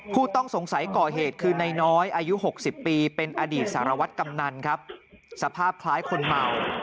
ผู้ต้องสงสัยก่อเหตุคือนายน้อยอายุ๖๐ปีเป็นอดีตสารวัตรกำนันครับสภาพคล้ายคนเมา